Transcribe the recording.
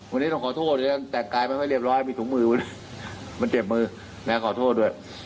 วันนี้ต้องขอโทษแต่งกายไม่ค่อยเรียบร้อยมีถุงมือมันเจ็บมือนะขอโทษด้วย